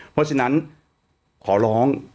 เพราะฉะนั้นขอร้อง